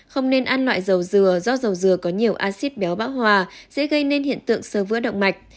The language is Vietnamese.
không nên ăn loại dầu dừa do dầu dừa có nhiều acid béo bão hòa dễ gây nên hiện tượng sơ vữa động mạch